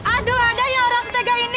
aduh ada yang orang setegah ini